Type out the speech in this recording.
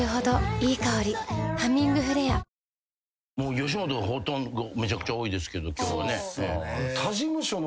吉本ほとんどめちゃくちゃ多いですけど今日。